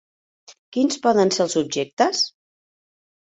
Quins poden ser els objectes?